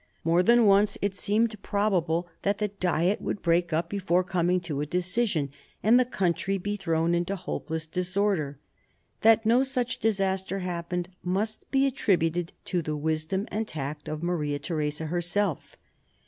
More than once it seemed probable that the Diet would break up before coming to a decision, and the country be thrown into hopeless disorder. That no such disaster happened must be attributed to the wisdom and tact of Maria Theresa herself.